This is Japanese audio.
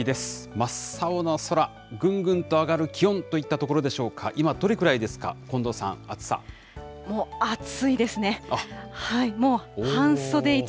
真っ青な空、ぐんぐんと上がる気温といったところでしょうか、今、どれくらいもう暑いですね。